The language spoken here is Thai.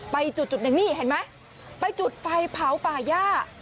ไปจุดหนึ่งนี่เห็นไหมไปจุดไฟเผาป่าย่า